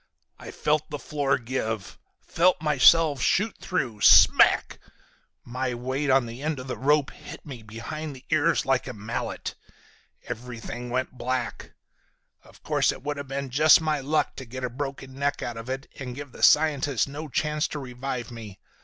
"I felt the floor give, felt myself shoot through. Smack! My weight on the end of the rope hit me behind the ears like a mallet. Everything went black. Of course it would have been just my luck to get a broken neck out of it and give the scientist no chance to revive me.